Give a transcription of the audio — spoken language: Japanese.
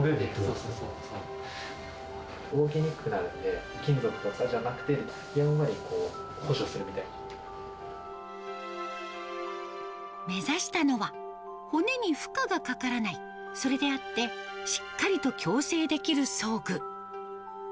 動きにくくなるので、金属とかじゃなくて、目指したのは、骨に負荷がかからない、それであって、しっかりと矯正できる装具。